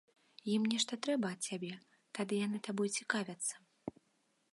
Ім нешта трэба ад цябе, тады яны табой цікавяцца.